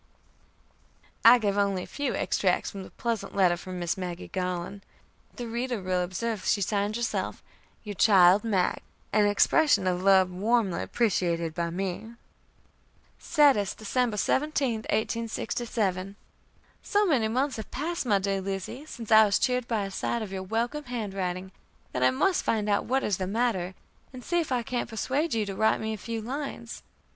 I give only a few extracts from the pleasant letter from Miss Maggie Garland. The reader will observe that she signs herself "Your child, Mag," an expression of love warmly appreciated by me: "SEDDES, Dec. 17, 1867. "So many months have passed, my dear Lizzie, since I was cheered by a sight of your welcome handwriting, that I must find out what is the matter, and see if I can't persuade you to write me a few lines.